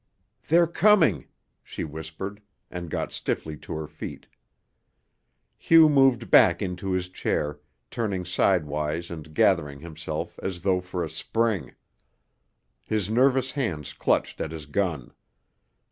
"They're coming," she whispered, and got stiffly to her feet. Hugh moved back into his chair, turning sidewise and gathering himself as though for a spring. His nervous hands clutched at his gun.